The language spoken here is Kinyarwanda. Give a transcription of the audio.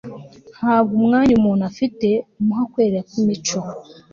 ntabwo umwanya umuntu afite umuha kwera kw'imico